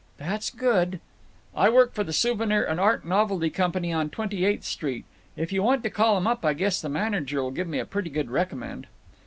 "That's good." "I work for the Souvenir and Art Novelty Company on Twenty eighth Street. If you want to call them up I guess the manager'll give me a pretty good recommend."